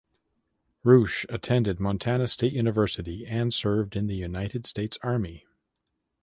Roush attended Montana State University and served in the United States Army.